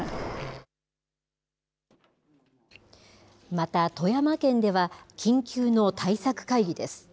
また富山県では、緊急の対策会議です。